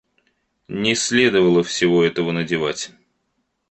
Не следовало всего этого надевать.